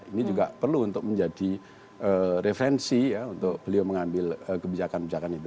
ini juga perlu untuk menjadi referensi ya untuk beliau mengambil kebijakan kebijakan itu